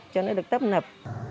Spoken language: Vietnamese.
cho nó được tấp nập